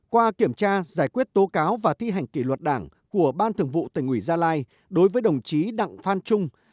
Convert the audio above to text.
một qua kiểm tra giải quyết tố cáo và thi hành kỷ luật đảng của ban thường vụ tỉnh ủy gia lai đối với đồng chí đặng phan trung